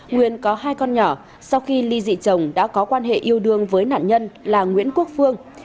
nguyên có hai con nhỏ sau khi ly dị chồng đã có quan hệ yêu đương với nạn nhân là nguyễn quốc phương